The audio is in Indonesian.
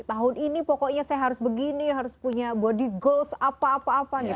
tahun ini pokoknya saya harus begini harus punya body goals apa apa gitu